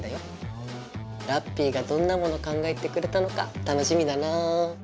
ラッピィがどんなもの考えてくれたのか楽しみだなぁ。